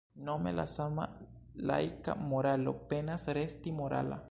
Nome la sama laika moralo penas resti morala.